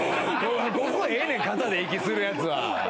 そこええねん肩で息するやつは。